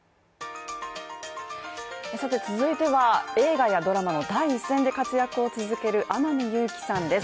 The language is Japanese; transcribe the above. さて続いては、映画やドラマの第一線で活躍を続ける天海祐希さんです。